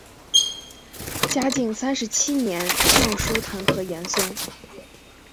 嘉靖三十七年上疏弹劾严嵩。